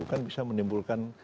kan bisa menimbulkan